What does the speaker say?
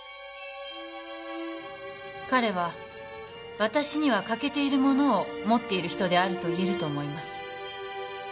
彼は私には欠けているものを持っている人であると言えると思います